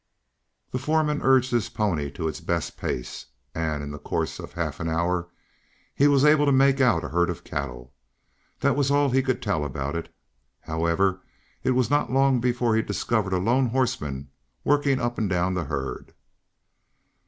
The foreman urged his pony to its best pace, and, in the course of half an hour he was able to make out a herd of cattle. That was all he could tell about it. However, it was not long before he discovered a lone horseman working up and down the herd.